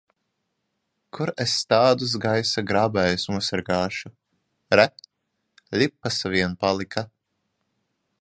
Kur es tādus gaisa grābējus nosargāšu! Re, ļipas vien palika!